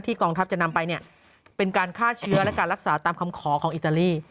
กองทัพจะนำไปเนี่ยเป็นการฆ่าเชื้อและการรักษาตามคำขอของอิตาลี